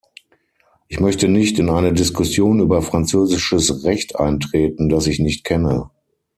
Ich möchte nicht in eine Diskussion über französisches Recht eintreten, das ich nicht kenne.